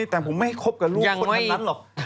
แต่ผมไม่ให้คบกับลูกคนนั้นหรอก